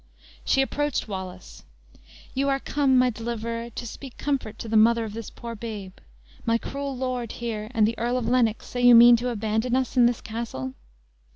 She approached Wallace: "You are come, my deliverer, to speak comfort to the mother of this poor babe. My cruel lord here, and the Earl of Lennox, say you mean to abandon us in this castle?"